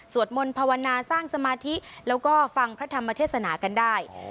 มนต์ภาวนาสร้างสมาธิแล้วก็ฟังพระธรรมเทศนากันได้